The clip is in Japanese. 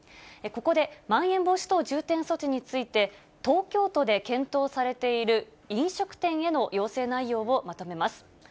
ここでまん延防止等重点措置について、東京都で検討されている飲食店への要請内容をまとめます。